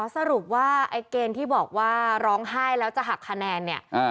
สรุปว่าไอ้เกณฑ์ที่บอกว่าร้องไห้แล้วจะหักคะแนนเนี่ย